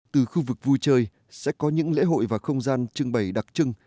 từ khu vực vui chơi sẽ có những lễ hội và không gian trưng bày đặc trưng